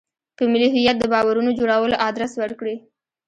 په ملي هویت د باورونو جوړولو ادرس ورکړي.